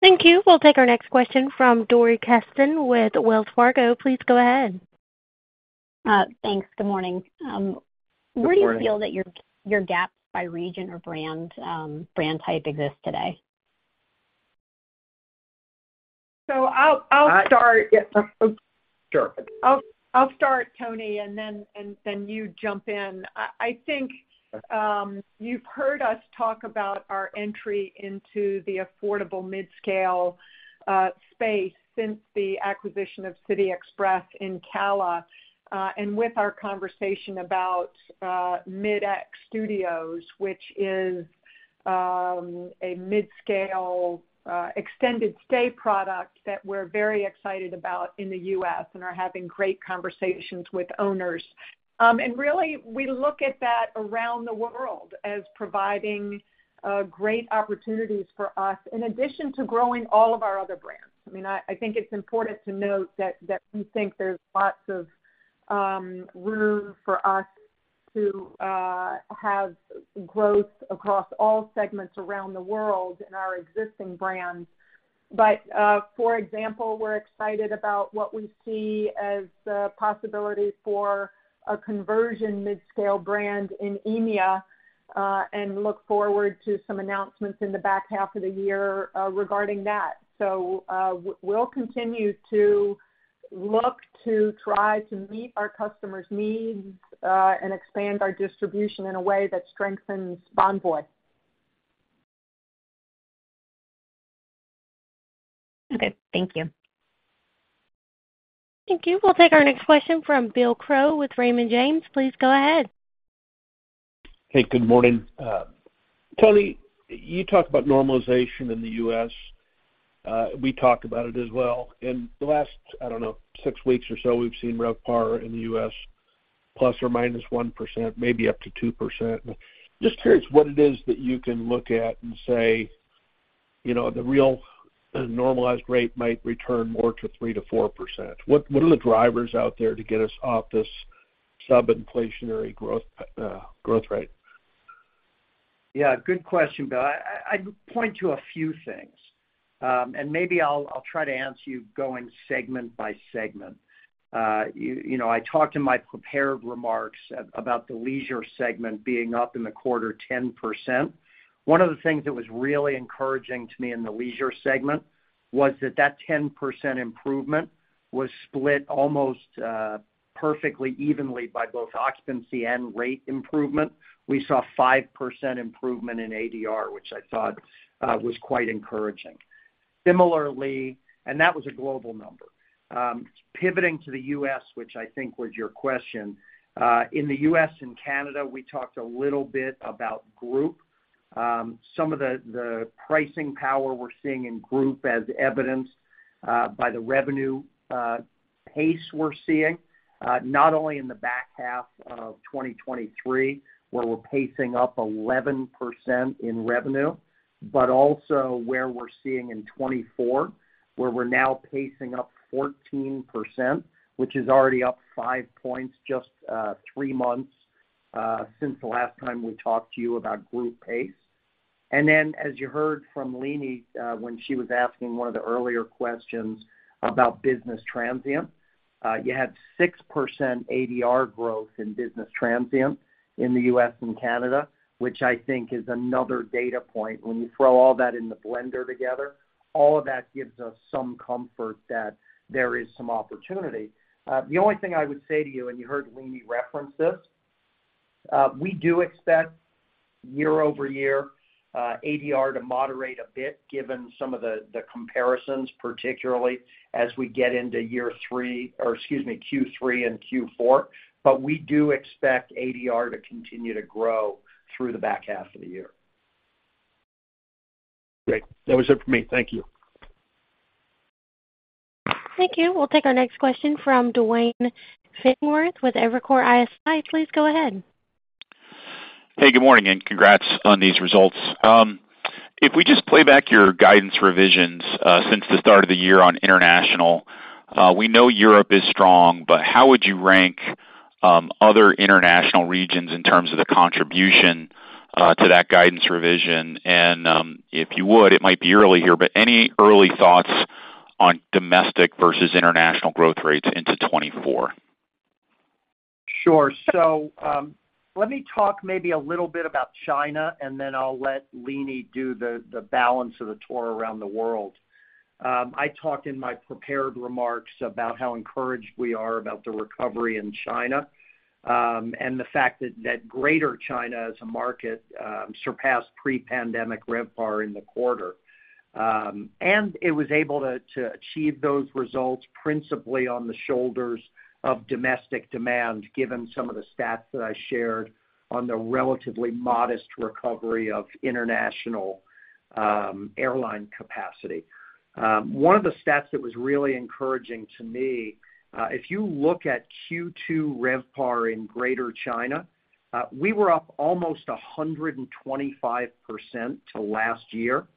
Thank you. We'll take our next question from Dori Kesten with Wells Fargo. Please go ahead. Thanks. Good morning. Good morning. Where do you feel that your, your gaps by region or brand, brand type exist today? I'll start. Sure. I'll start, Tony, and then, and then you jump in. I, I think, you've heard us talk about our entry into the affordable midscale space since the acquisition of City Express in CALA, and with our conversation about MidX Studios, which is a midscale extended stay product that we're very excited about in the U.S. and are having great conversations with owners. Really, we look at that around the world as providing great opportunities for us, in addition to growing all of our other brands. I mean, I, I think it's important to note that, that we think there's lots of room for us to have growth across all segments around the world in our existing brands. For example, we're excited about what we see as the possibility for a conversion midscale brand in EMEA, and look forward to some announcements in the back half of the year regarding that. We'll continue to look to try to meet our customers' needs and expand our distribution in a way that strengthens Bonvoy. Okay. Thank you. Thank you. We'll take our next question from Bill Crow with Raymond James. Please go ahead. Hey, good morning. Tony, you talked about normalization in the U.S. We talked about it as well. In the last, I don't know, six weeks or so, we've seen RevPAR in the U.S. ±1%, maybe up to 2%. Just curious what it is that you can look at and say, you know, the real normalized rate might return more to 3%-4%. What, what are the drivers out there to get us off this sub-inflationary growth, growth rate? Yeah, good question, Bill. I'd point to a few things, and maybe I'll try to answer you going segment by segment. You know, I talked in my prepared remarks about the leisure segment being up in the quarter 10%. One of the things that was really encouraging to me in the leisure segment was that that 10% improvement was split almost perfectly evenly by both occupancy and rate improvement. We saw 5% improvement in ADR, which I thought was quite encouraging. Similarly. That was a global number. Pivoting to the U.S., which I think was your question, in the U.S. and Canada, we talked a little bit about group. Some of the, the pricing power we're seeing in group as evidenced, by the revenue, pace we're seeing, not only in the back half of 2023, where we're pacing up 11% in revenue, but also where we're seeing in 2024, where we're now pacing up 14%, which is already up 5 points, just, three months, since the last time we talked to you about group pace. Then, as you heard from Leeny, when she was asking one of the earlier questions about business transient, you had 6% ADR growth in business transient in the U.S. and Canada, which I think is another data point. When you throw all that in the blender together, all of that gives us some comfort that there is some opportunity. The only thing I would say to you, and you heard Leeny reference this, we do expect year-over-year, ADR to moderate a bit, given some of the, the comparisons, particularly as we get into year three, or excuse me, Q3 and Q4. We do expect ADR to continue to grow through the back half of the year. Great. That was it for me. Thank you. Thank you. We'll take our next question from Duane Pfennigwerth with Evercore ISI. Please go ahead. Hey, good morning, and congrats on these results. If we just play back your guidance revisions since the start of the year on international, we know Europe is strong, but how would you rank other international regions in terms of the contribution to that guidance revision? If you would, it might be early here, but any early thoughts on domestic versus international growth rates into 2024? Sure. Let me talk maybe a little bit about China, and then I'll let Leeny do the, the balance of the tour around the world. I talked in my prepared remarks about how encouraged we are about the recovery in China, and the fact that, that Greater China, as a market, surpassed pre-pandemic RevPAR in the quarter. It was able to, to achieve those results principally on the shoulders of domestic demand, given some of the stats that I shared on the relatively modest recovery of international airline capacity. One of the stats that was really encouraging to me, if you look at Q2 RevPAR in Greater China, we were up almost 125% to last year.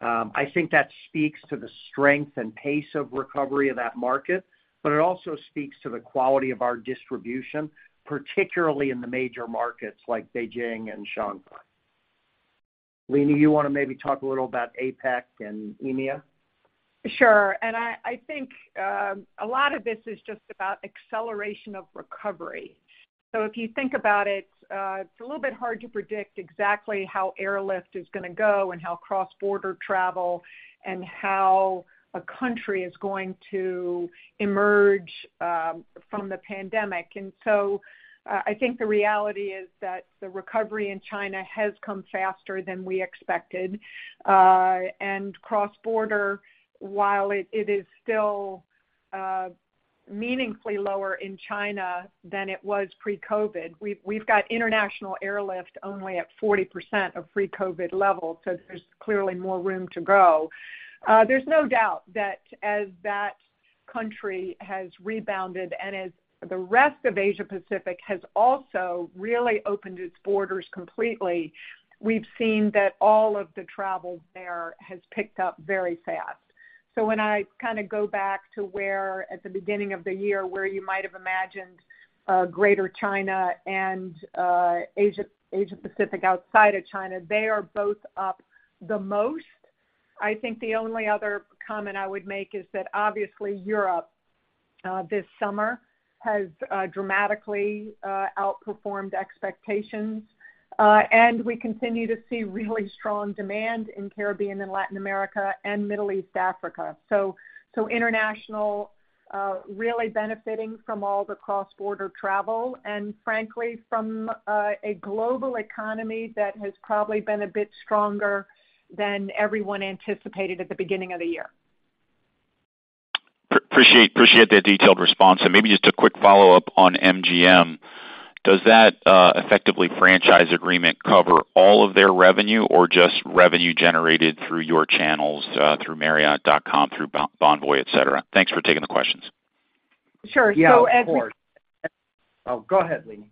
I think that speaks to the strength and pace of recovery of that market, but it also speaks to the quality of our distribution, particularly in the major markets like Beijing and Shanghai. Leeny, you want to maybe talk a little about APAC and EMEA? Sure. I think a lot of this is just about acceleration of recovery. If you think about it, it's a little bit hard to predict exactly how airlift is going to go and how cross-border travel and how a country is going to emerge from the pandemic. I think the reality is that the recovery in China has come faster than we expected. Cross-border, while it, it is still meaningfully lower in China than it was pre-COVID, we've, we've got international airlift only at 40% of pre-COVID levels, so there's clearly more room to grow. There's no doubt that as that country has rebounded and as the rest of Asia Pacific has also really opened its borders completely, we've seen that all of the travel there has picked up very fast. When I kind of go back to where, at the beginning of the year, where you might have imagined, Greater China and Asia Pacific outside of China, they are both up the most. I think the only other comment I would make is that obviously Europe this summer has dramatically outperformed expectations. We continue to see really strong demand in Caribbean and Latin America and Middle East, Africa. International really benefiting from all the cross-border travel and frankly, from a global economy that has probably been a bit stronger than everyone anticipated at the beginning of the year. Appreciate, appreciate that detailed response. Maybe just a quick follow-up on MGM. Does that effectively franchise agreement cover all of their revenue or just revenue generated through your channels, through marriott.com, through Bonvoy, et cetera? Thanks for taking the questions. Sure. Yeah, of course. Oh, go ahead, Leeny.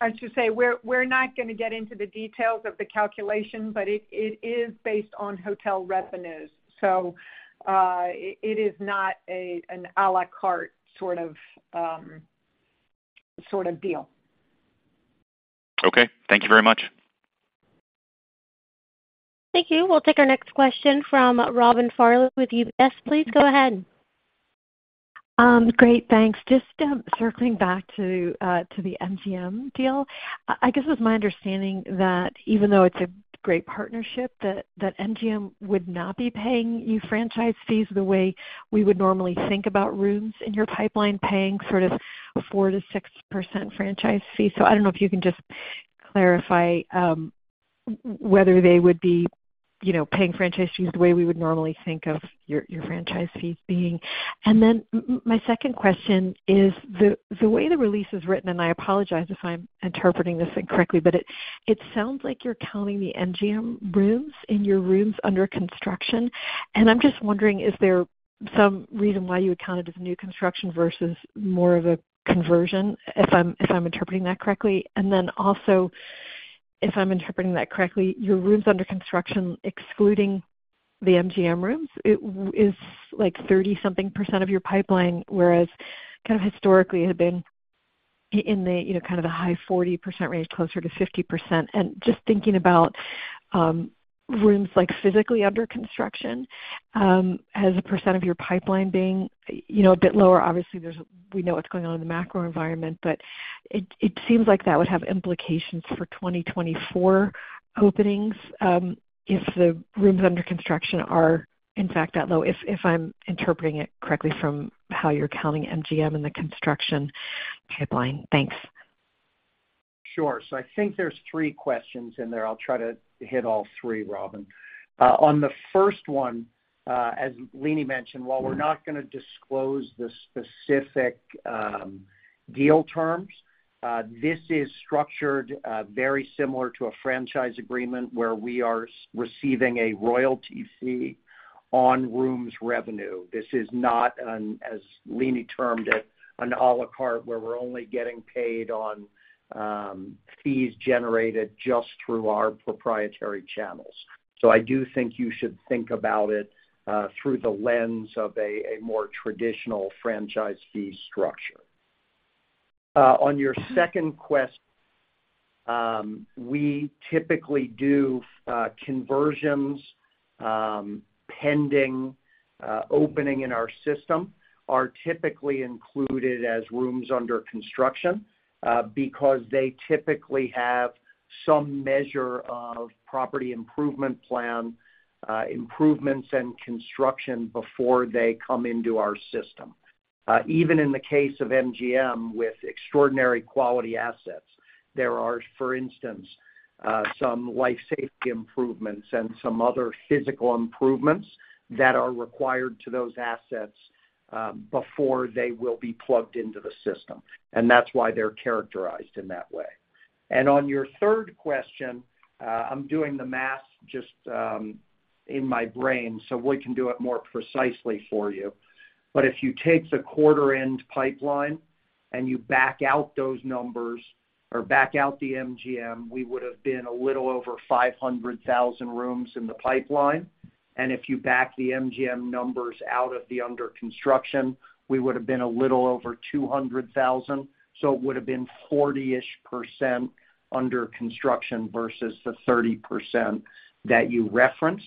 I was just say, we're, we're not going to get into the details of the calculation, but it is based on hotel revenues, so it is not an à la carte sort of, sort of deal. Okay. Thank you very much. Thank you. We'll take our next question from Robin Farley with UBS. Please go ahead. Great, thanks. Just circling back to the MGM deal. I guess it's my understanding that even though it's a great partnership, that MGM would not be paying you franchise fees the way we would normally think about rooms in your pipeline, paying sort of 4%-6% franchise fees. I don't know if you can just clarify, you know, whether they would be paying franchise fees the way we would normally think of your, your franchise fees being. My second question is, the way the release is written, and I apologize if I'm interpreting this incorrectly, but it sounds like you're counting the MGM rooms in your rooms under construction. I'm just wondering, is there some reason why you would count it as new construction versus more of a conversion, if I'm, if I'm interpreting that correctly? Then also, if I'm interpreting that correctly, your rooms under construction, excluding the MGM rooms, it is like 30% of your pipeline, whereas kind of historically, it had been in the, you know, kind of the high 40% range, closer to 50%. Just thinking about rooms like physically under construction, as a percent of your pipeline being, you know, a bit lower. Obviously, there's, we know what's going on in the macro environment, but it, it seems like that would have implications for 2024 openings, if the rooms under construction are, in fact, that low, if I'm interpreting it correctly from how you're counting MGM in the construction pipeline. Thanks. Sure. I think there's three questions in there. I'll try to hit all three, Robin. On the first one, as Leeny mentioned, while we're not going to disclose the specific deal terms, this is structured very similar to a franchise agreement where we are receiving a royalty fee on rooms revenue. This is not an, as Leeny termed it, an à la carte, where we're only getting paid on fees generated just through our proprietary channels. I do think you should think about it through the lens of a more traditional franchise fee structure. On your second question, we typically do conversions, pending opening in our system, are typically included as rooms under construction, because they typically have some measure of property improvement plan, improvements and construction before they come into our system. Even in the case of MGM, with extraordinary quality assets, there are, for instance, some life safety improvements and some other physical improvements that are required to those assets, before they will be plugged into the system, and that's why they're characterized in that way. And on your third question, I'm doing the math just in my brain, so we can do it more precisely for you. If you take the quarter-end pipeline and you back out those numbers, or back out the MGM, we would have been a little over 500,000 rooms in the pipeline. If you back the MGM numbers out of the under construction, we would have been a little over 200,000, so it would have been 40%-ish under construction versus the 30% that you referenced.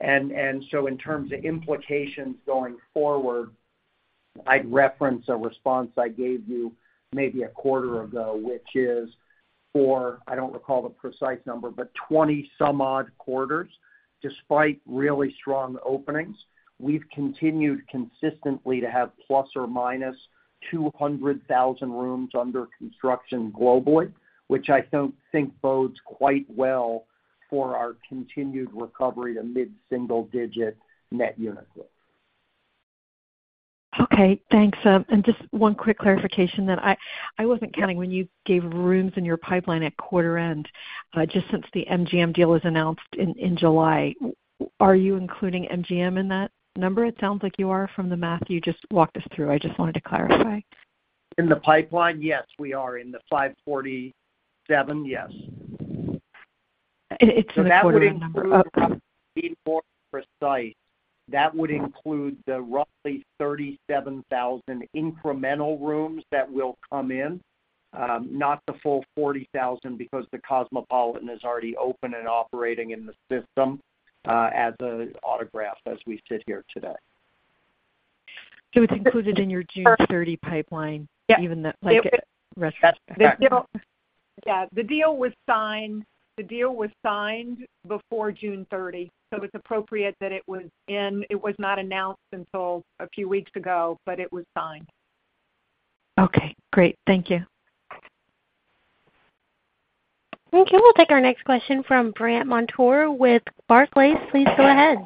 In terms of implications going forward, I'd reference a response I gave you maybe a quarter ago, which is for, I don't recall the precise number, but 20-some odd quarters, despite really strong openings, we've continued consistently to have ±200,000 rooms under construction globally, which I don't think bodes quite well for our continued recovery to mid-single-digit net unit growth. Okay, thanks. Just one quick clarification that I wasn't counting when you gave rooms in your pipeline at quarter end. Just since the MGM deal was announced in July, are you including MGM in that number? It sounds like you are from the math you just walked us through. I just wanted to clarify. In the pipeline? Yes, we are. In the 547, yes. It's the. That would include, to be more precise, that would include the roughly 37,000 incremental rooms that will come in, not the full 40,000, because the Cosmopolitan is already open and operating in the system, as an Autograph as we sit here today. It's included in your June 30 pipeline. Yes. Even the like. Yeah. The deal was signed, the deal was signed before June 30, so it's appropriate that it was in. It was not announced until a few weeks ago, but it was signed. Okay, great. Thank you. Okay, we'll take our next question from Brandt Montour with Barclays. Please go ahead.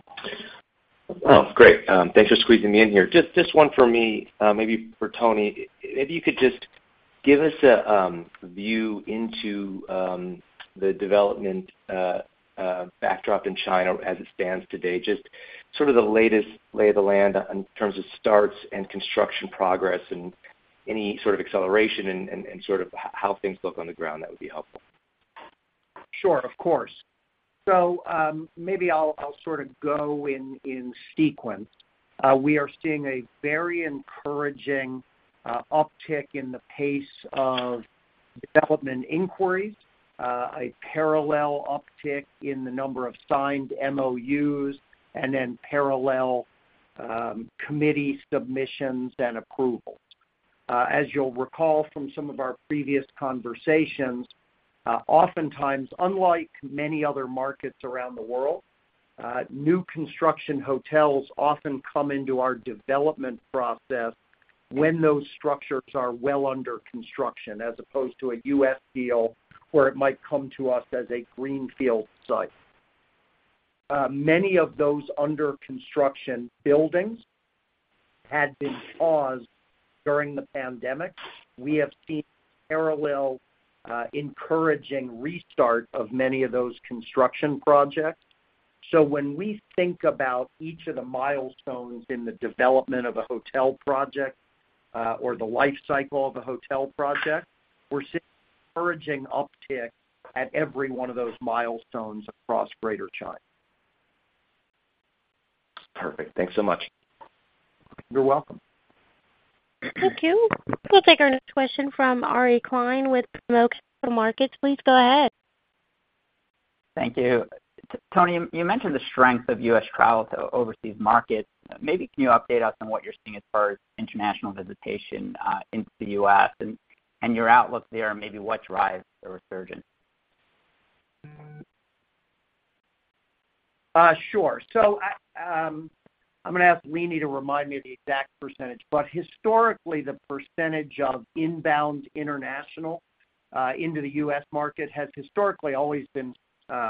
Oh, great. Thanks for squeezing me in here. Just, just one for me, maybe for Tony. If you could just give us a view into the development backdrop in China as it stands today, just sort of the latest lay of the land in terms of starts and construction progress and any sort of acceleration and, and, and sort of how things look on the ground, that would be helpful. Sure, of course. Maybe I'll sort of go in, in sequence. We are seeing a very encouraging uptick in the pace of development inquiries, a parallel uptick in the number of signed MOUs, and then parallel committee submissions and approvals. As you'll recall from some of our previous conversations, oftentimes, unlike many other markets around the world, new construction hotels often come into our development process when those structures are well under construction, as opposed to a U.S. deal, where it might come to us as a greenfield site. Many of those under construction buildings had been paused during the pandemic. We have seen parallel encouraging restart of many of those construction projects. When we think about each of the milestones in the development of a hotel project, or the life cycle of a hotel project, we're seeing encouraging uptick at every one of those milestones across Greater China. Perfect. Thanks so much. You're welcome. Thank you. We'll take our next question from Aryeh Klein with BMO Capital Markets. Please go ahead. Thank you. Tony, you mentioned the strength of U.S. travel to overseas markets. Maybe can you update us on what you're seeing as far as international visitation into the U.S. and your outlook there, and maybe what drives the resurgence? Sure. I'm going to ask Leeny Oberg to remind me of the exact percentage, but historically, the percentage of inbound international into the U.S. market has historically always been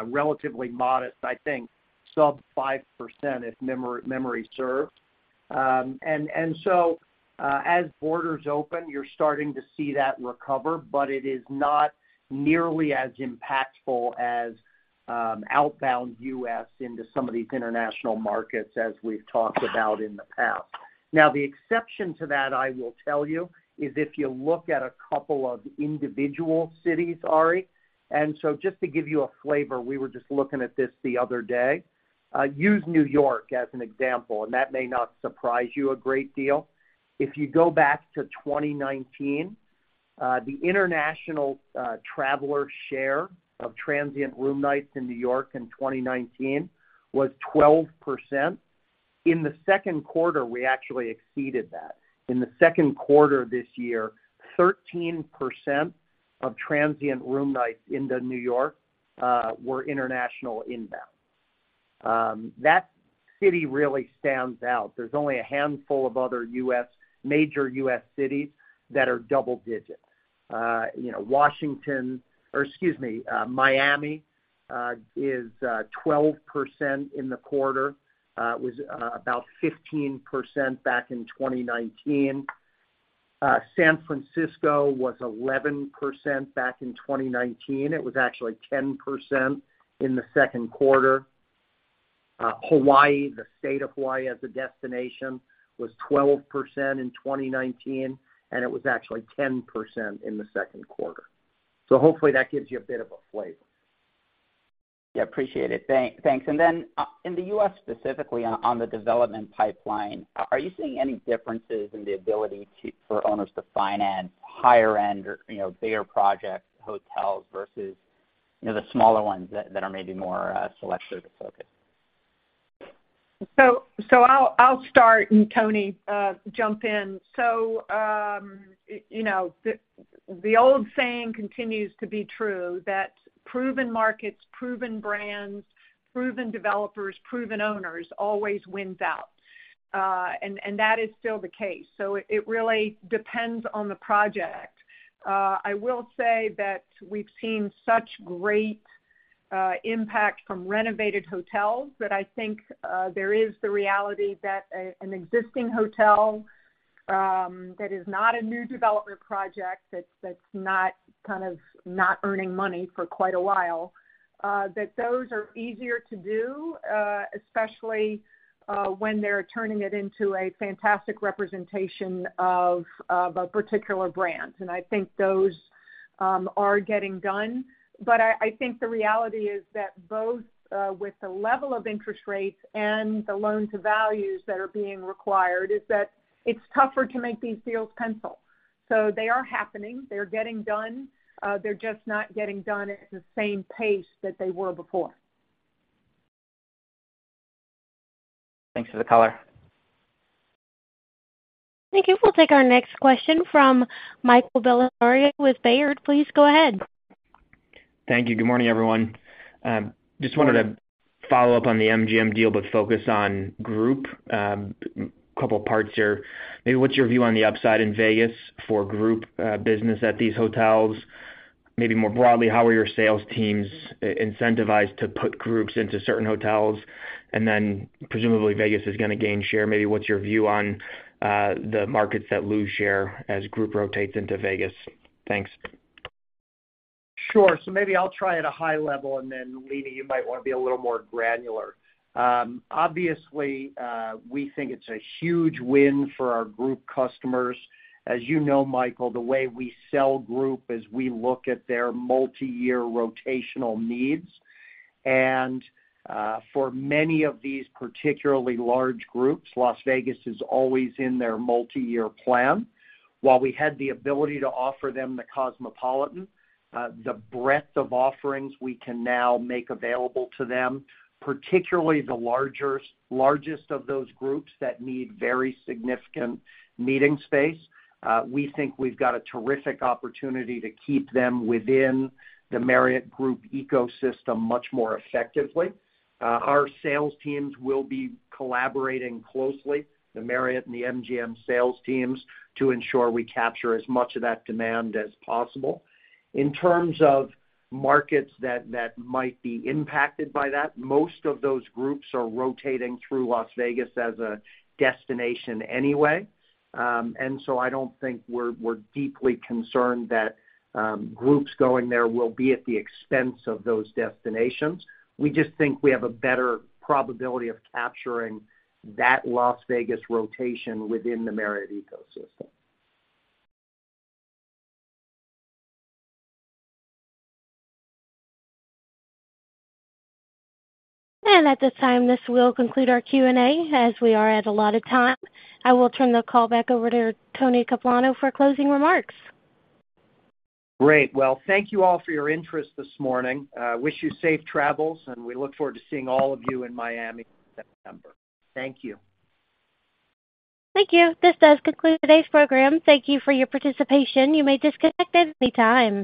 relatively modest, I think sub 5%, if memory serves. As borders open, you're starting to see that recover, but it is not nearly as impactful as outbound U.S. into some of these international markets as we've talked about in the past. Now, the exception to that, I will tell you, is if you look at a couple of individual cities, Ari, and so just to give you a flavor, we were just looking at this the other day. Use New York as an example, and that may not surprise you a great deal. If you go back to 2019, the international traveler share of transient room nights in New York in 2019 was 12%. In the second quarter, we actually exceeded that. In the second quarter this year, 13% of transient room nights into New York were international inbound. That city really stands out. There's only a handful of other U.S., major U.S. cities that are double-digit. You know, Washington, or excuse me, Miami, is 12% in the quarter. It was about 15% back in 2019. San Francisco was 11% back in 2019. It was actually 10% in the second quarter. Hawaii, the state of Hawaii as a destination, was 12% in 2019, and it was actually 10% in the second quarter. Hopefully that gives you a bit of a flavor. Yeah, appreciate it. Thank, thanks. Then, in the U.S., specifically, on, on the development pipeline, are you seeing any differences in the ability for owners to finance higher end or, you know, bigger project hotels versus, you know, the smaller ones that, that are maybe more selective focused? I'll start. Tony, jump in. You know, the, the old saying continues to be true, that proven markets, proven brands, proven developers, proven owners always wins out. That is still the case. It, it really depends on the project. I will say that we've seen such great impact from renovated hotels, that I think there is the reality that a, an existing hotel that is not a new development project, that's not kind of not earning money for quite a while, that those are easier to do, especially when they're turning it into a fantastic representation of a particular brand. I think those are getting done. I think the reality is that both, with the level of interest rates and the loan-to-values that are being required, is that it's tougher to make these deals pencil. They are happening. They're getting done. They're just not getting done at the same pace that they were before. Thanks for the color. Thank you. We'll take our next question from Michael Bellisario with Baird. Please go ahead. Thank you. Good morning, everyone. Just wanted to follow up on the MGM deal, but focus on group. A couple parts here. Maybe what's your view on the upside in Vegas for group business at these hotels? Maybe more broadly, how are your sales teams incentivized to put groups into certain hotels? Then, presumably, Vegas is gonna gain share. Maybe what's your view on the markets that lose share as group rotates into Vegas? Thanks. Maybe I'll try at a high level, and then Leeny, you might want to be a little more granular. Obviously, we think it's a huge win for our group customers. As you know, Michael, the way we sell group is we look at their multiyear rotational needs, and for many of these particularly large groups, Las Vegas is always in their multiyear plan. While we had the ability to offer them The Cosmopolitan, the breadth of offerings we can now make available to them, particularly the largest of those groups that need very significant meeting space, we think we've got a terrific opportunity to keep them within the Marriott Group ecosystem much more effectively. Our sales teams will be collaborating closely, the Marriott and the MGM sales teams, to ensure we capture as much of that demand as possible. In terms of markets that, that might be impacted by that, most of those groups are rotating through Las Vegas as a destination anyway. I don't think we're, we're deeply concerned that groups going there will be at the expense of those destinations. We just think we have a better probability of capturing that Las Vegas rotation within the Marriott ecosystem. At this time, this will conclude our Q&A, as we are at allotted time. I will turn the call back over to Anthony Capuano for closing remarks. Great. Well, thank you all for your interest this morning. Wish you safe travels, and we look forward to seeing all of you in Miami in September. Thank you. Thank you. This does conclude today's program. Thank you for your participation. You may disconnect at any time.